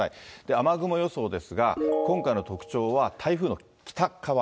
雨雲予想ですが、今回の特徴は台風の北側。